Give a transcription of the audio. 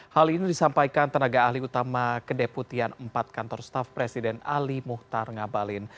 hal ini disampaikan tenaga ahli utama kedeputian empat kantor staff presiden ali muhtar ngabalin